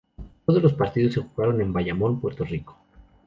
Todos los partidos se jugaron en Bayamón, Puerto Rico.